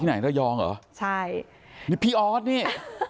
ที่ไหนเรยองเหรอพี่ออสนี่